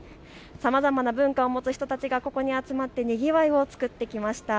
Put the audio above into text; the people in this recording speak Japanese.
さまざまな文化を持つ人たちがここに集まってにぎわいを作ってきました。